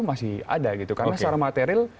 masih ada gitu karena secara material